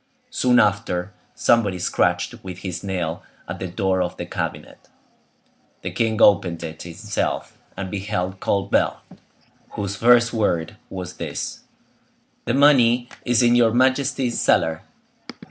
Soon after, somebody scratched with his nail at the door of the cabinet. The king opened it himself, and beheld Colbert, whose first word was this:—"The money is in your majesty's cellar."